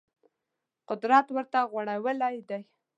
قدرت ورته غوړولې ده